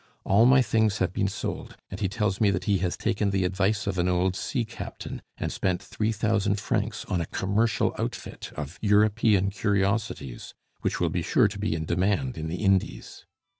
All my things have been sold; and he tells me that he has taken the advice of an old sea captain and spent three thousand francs on a commercial outfit of European curiosities which will be sure to be in demand in the Indies.